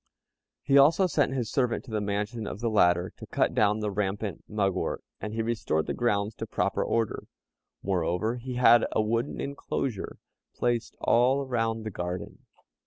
He also sent his servant to the mansion of the latter to cut down the rampant mugwort, and he restored the grounds to proper order. Moreover, he had a wooden enclosure placed all round the garden.